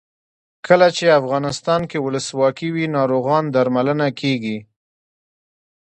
کله چې افغانستان کې ولسواکي وي ناروغان درملنه کیږي.